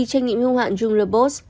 trang nghiệm hương hoạn junglerbos